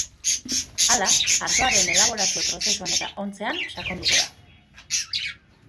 Hala, ardoaren elaborazio-prozesuan eta ontzean sakonduko da.